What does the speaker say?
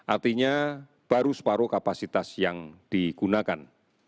artinya baru separuh kapasitas yang digunakan